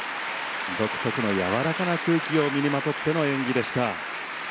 独特のやわらかな空気を身にまとっての演技でした。